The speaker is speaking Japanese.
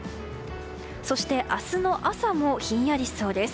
そして、明日の朝もひんやりしそうです。